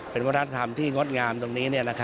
เป็นวัฒนธรรมที่งดงามตรงนี้